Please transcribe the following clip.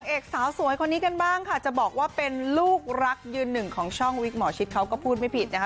เอกสาวสวยคนนี้กันบ้างค่ะจะบอกว่าเป็นลูกรักยืนหนึ่งของช่องวิกหมอชิดเขาก็พูดไม่ผิดนะคะ